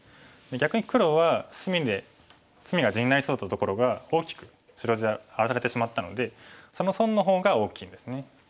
逆に黒は隅が地になりそうだったところが大きく白地に荒らされてしまったのでその損の方が大きいんですね。